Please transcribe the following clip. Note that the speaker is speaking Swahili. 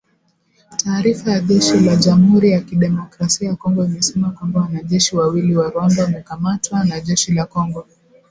Taarifa ya jeshi la Jamhuri ya Kidemokrasia ya Kongo imesema kwamba wanajeshi wawili wa Rwanda wamekamatwa na jeshi la Kongo